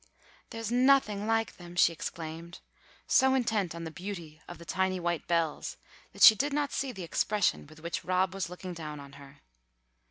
"There's nothing like them!" she exclaimed, so intent on the beauty of the tiny white bells that she did not see the expression with which Rob was looking down on her.